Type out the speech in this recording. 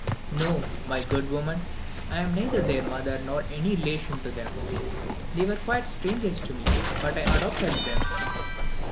"No, my good woman; I am neither their mother nor any relation to them. They were quite strangers to me, but I adopted them."